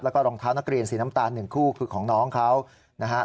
แล้วก็รองเท้านักเรียนสีน้ำตาล๑คู่คือของน้องเขานะฮะ